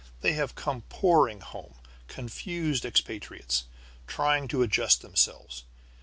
They have come pouring home, confused expatriates, trying to adjust themselves.